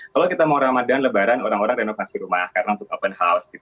kalau kita mau ramadan lebaran orang orang renovasi rumah karena untuk open house